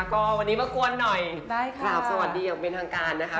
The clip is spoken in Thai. ก็วันนี้มากวนหน่อยกราบสวัสดีอย่างเป็นทางการนะคะ